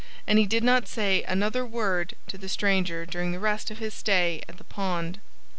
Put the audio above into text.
And he did not say another word to the stranger during the rest of his stay at the pond.